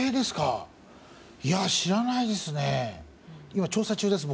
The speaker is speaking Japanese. いや、知らないですね。